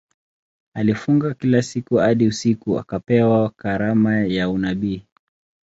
Alifunga kila siku hadi usiku akapewa karama ya unabii.